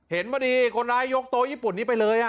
เห็นพอดีคนร้ายยกโต๊ะญี่ปุ่นนี้ไปเลย